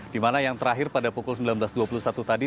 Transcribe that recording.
dimana yang terakhir pada pukul sembilan belas dua puluh satu tadi